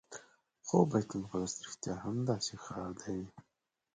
خو بیت المقدس رښتیا هم داسې ښار دی.